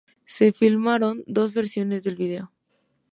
Se filmaron dos versiones del vídeo.